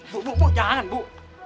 bu bu bu jangan bu